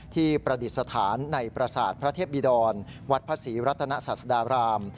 ประดิษฐานในประสาทพระเทพบิดรวัดพระศรีรัตนศาสดาราม